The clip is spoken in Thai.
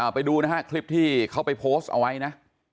ไปดูนะฮะคลิปที่เขาไปโพสต์เอาไว้นะ